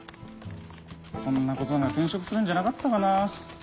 こんなことなら転職するんじゃなかったかな。